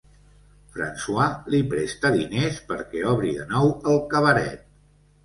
François li presta diners perquè obri de nou el cabaret.